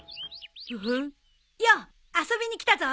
よう遊びに来たぞ。